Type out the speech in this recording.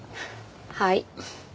はい。